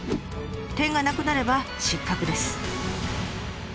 点がなくなれば失格です。